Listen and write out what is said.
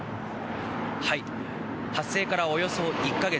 発生からおよそ１か月。